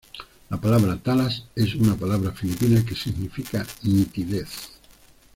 La palabra Talas es una palabra filipina que significa "nitidez".